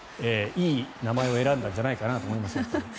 いい名前を選んだんじゃないかなと思いますが。